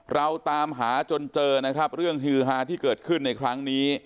เราตามหาจนเจอนะครับเรื่องฮือฮาที่เกิดขึ้นในครั้งนี้